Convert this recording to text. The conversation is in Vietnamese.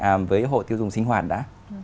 à với hộ tiêu dùng sinh hoạt đã